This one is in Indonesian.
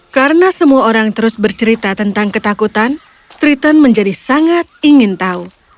karena semua orang terus bercerita tentang ketakutan triton menjadi sangat ingin tahu